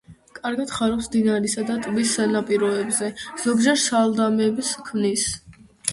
კარგად ხარობს მდინარისა და ტბის სანაპიროებზე, ზოგჯერ შალდამებს ქმნის.